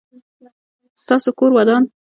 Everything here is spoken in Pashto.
ستاسو کور ودان؟